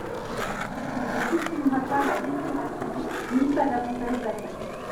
On ne supprimera pas la respiration, ni pas davantage la Presse.